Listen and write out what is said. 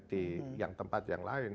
di yang tempat yang lain